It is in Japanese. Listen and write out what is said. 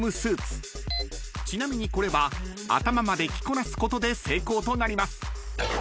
ちなみにこれは頭まで着こなすことで成功となります。